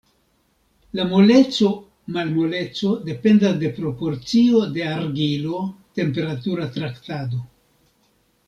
La moleco-malmoleco dependas de proporcio de argilo, temperatura traktado.